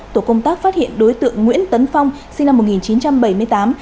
tổ công tác phát hiện đối tượng nguyễn tấn phong sinh năm một nghìn chín trăm bảy mươi tám